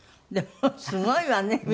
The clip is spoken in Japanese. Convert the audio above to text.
でもすごいわね。